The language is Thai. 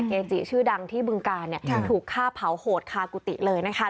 เกจิชื่อดังที่บึงการถูกฆ่าเผาโหดคากุฏิเลยนะคะ